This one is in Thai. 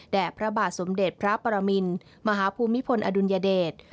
พระบาทสมเด็จพระปรมินมหาภูมิพลอดุลยเดช